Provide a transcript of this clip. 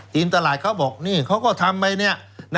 ตลาดเขาบอกนี่เขาก็ทำไปเนี่ย